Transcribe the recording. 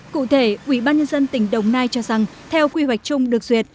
cụ thể ubnd tỉnh đồng nai cho rằng theo quy hoạch chung được duyệt